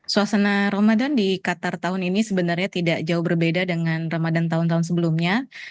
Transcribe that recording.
suasana ramadan di qatar tahun ini sebenarnya tidak jauh berbeda dengan ramadan tahun tahun sebelumnya